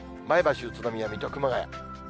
前橋、宇都宮、水戸、熊谷。